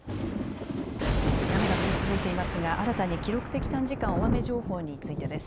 雨が降り続いていますが新たに記録的短時間大雨情報についてです。